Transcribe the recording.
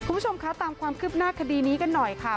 คุณผู้ชมคะตามความคืบหน้าคดีนี้กันหน่อยค่ะ